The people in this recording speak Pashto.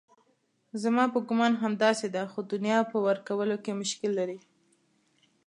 زما په ګومان همداسې ده خو دنیا په ورکولو کې مشکل لري.